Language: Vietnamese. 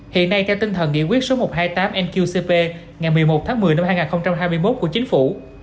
hiện nay theo tinh thần nghị quyết số một trăm hai mươi tám nqcp ngày một mươi một tháng một mươi năm hai nghìn hai mươi một của chính phủ